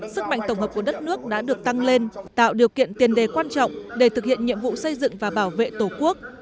sức mạnh tổng hợp của đất nước đã được tăng lên tạo điều kiện tiền đề quan trọng để thực hiện nhiệm vụ xây dựng và bảo vệ tổ quốc